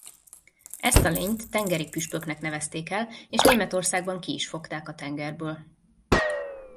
Ezt a lényt tengeri püspöknek nevezték el és Németországban ki is fogták a tengerből.